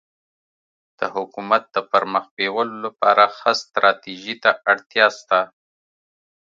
د حکومت د پرمخ بیولو لپاره ښه ستراتيژي ته اړتیا سته.